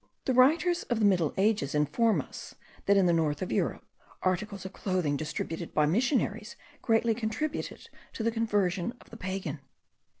The writers of the middle ages inform us, that in the north of Europe, articles of clothing distributed by missionaries, greatly contributed to the conversion of the pagan.